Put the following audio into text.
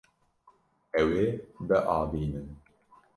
Ew ê biavînin.